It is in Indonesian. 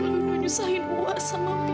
jangan menyusahkan aku sama bibi